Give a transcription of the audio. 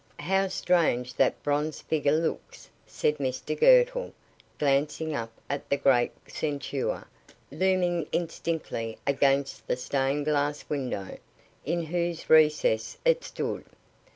"How strange that bronze figure looks," said Mr Girtle, glancing up at the great centaur looming indistinctly against the stained glass window, in whose recess it stood.